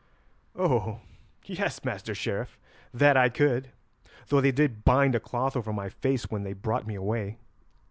"Oh! yes, Master Sheriff, that I could, though they did bind a cloth over my face when they brought me away."